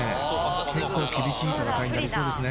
結構厳しい戦いになりそうですね